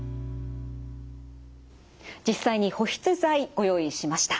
実際に保湿剤ご用意しました。